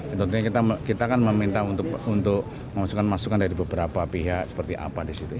ya tentunya kita kan meminta untuk memasukkan masukan dari beberapa pihak seperti apa di situ